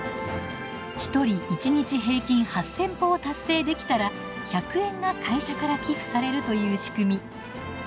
１人１日平均８，０００歩を達成できたら１００円が会社から寄付されるという仕組み。